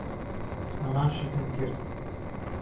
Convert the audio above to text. ھەمان شتم کرد.